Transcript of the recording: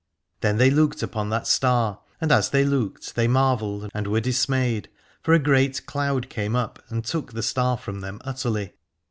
Then they looked upon that star, and as they looked they marvelled and were dismayed, for a great cloud came up and took the star from them utterly.